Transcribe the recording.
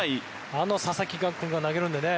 あの佐々木君が投げるのでね